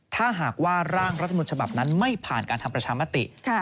ถ้าหากว่าร่างรัฐมนต์ฉบับนั้นไม่ผ่านการทำประชามติ